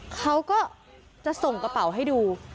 เขาก็จะส่งกระเป๋าให้ดู